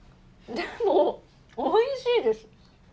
でも、おいしいです！